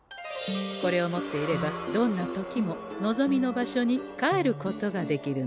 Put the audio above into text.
これを持っていればどんな時も望みの場所に帰ることができるんでござんす。